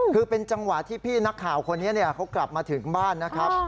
คือเป็นจังหวะที่พี่นักข่าวคนนี้เขากลับมาถึงบ้านนะครับ